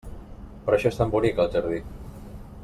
Per això és tan bonic el jardí!